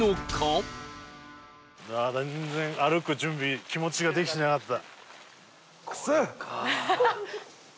ああ全然歩く準備気持ちができてなかった。